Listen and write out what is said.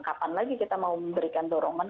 kapan lagi kita mau memberikan dorongan